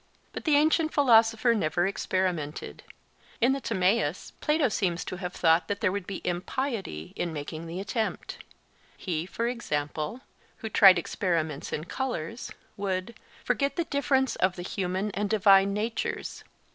But the ancient philosopher never experimented: in the Timaeus Plato seems to have thought that there would be impiety in making the attempt; he, for example, who tried experiments in colours would 'forget the difference of the human and divine natures.